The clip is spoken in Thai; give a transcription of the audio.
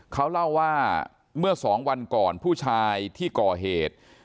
เขาเล่าว่าเมื่อสองวันก่อนผู้ชายที่ก่อเหตุ